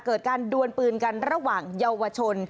เกิดการดวนปืนกันระหว่างเยาวชน